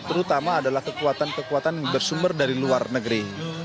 terutama adalah kekuatan kekuatan bersumber dari luar negeri